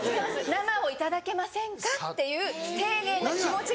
「生を頂けませんか？」っていう丁寧な気持ちが。